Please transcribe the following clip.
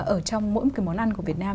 ở trong mỗi một cái món ăn của việt nam